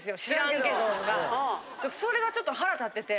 それがちょっと腹立ってて。